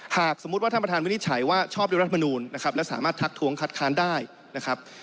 หากสมมุติว่าท่านประธานวินิจฉัยว่าชอบด้วยรัฐมนูลนะครับและสามารถทักทวงคัดค้านได้นะครับ